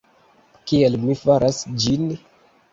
Kiel mi faras ĝin?